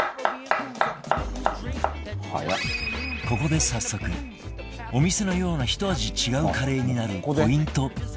ここで早速、お店のようなひと味違うカレーになるポイント